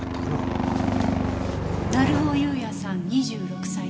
成尾優也さん２６歳。